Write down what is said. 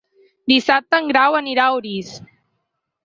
Dissabte en Grau anirà a Orís.